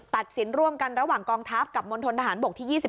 สินร่วมกันระหว่างกองทัพกับมณฑนทหารบกที่๒๑